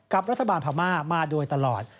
กับรัฐบาลพม่ามาโดยตลอด